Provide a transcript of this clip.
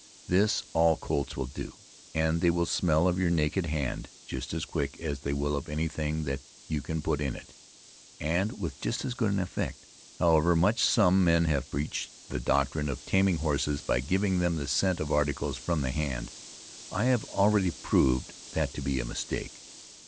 This all colts will do, and they will smell of your naked hand just as quick as they will of any thing that you can put in it, and with just as good an effect, however much some men have preached the doctrine of taming horses by giving them the scent articles from the hand. I have already proved that to be a mistake.